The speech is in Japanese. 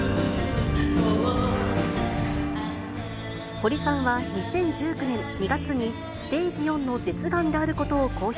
堀さんは２０１９年２月にステージ４の舌がんであることを公表。